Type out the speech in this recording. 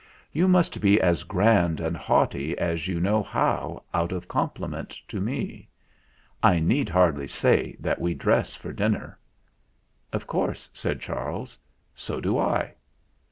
" You must be as grand and haughty as you know how out of compliment to me. I need hardly say that we dress for dinner." "Of course," said Charles; "so do I."